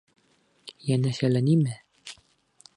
Йәнәшәлә нимә?